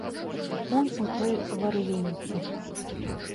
Унь у той варывеньцы.